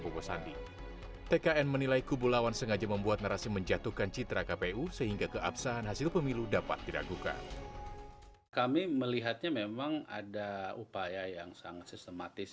heboh juga waktu itu kita kaget